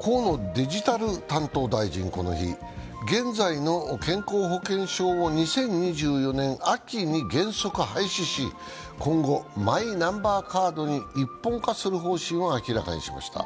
河野デジタル担当大臣、この日現在の健康保険証を２０２４年秋に原則廃止し、今後、マイナンバーカードに一本化する方針を明らかにしました。